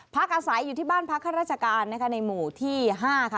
พักอาศัยอยู่ที่บ้านพักข้าราชการนะคะในหมู่ที่๕ค่ะ